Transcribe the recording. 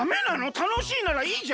たのしいならいいじゃん！